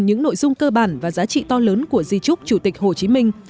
những nội dung cơ bản và giá trị to lớn của di trúc chủ tịch hồ chí minh